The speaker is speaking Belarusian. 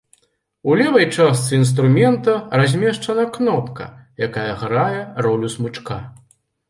У левай частцы інструмента размешчана кнопка, якая грае ролю смычка.